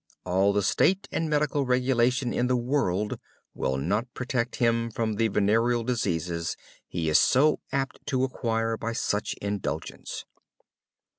All the state and medical regulation in the world will not protect him from the venereal diseases he is so apt to acquire by such indulgence.